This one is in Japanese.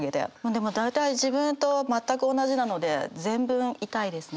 でも大体自分と全く同じなので全文痛いですね。